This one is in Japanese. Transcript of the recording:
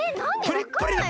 プリップリ！